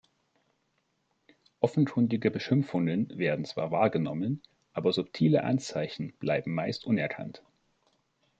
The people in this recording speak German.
Offenkundige Beschimpfungen werden zwar wahrgenommen aber subtile Anzeichen bleiben meist unerkannt.